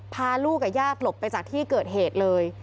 พาลูกกับญาติหลบไปจากที่เกิดเหตุเลย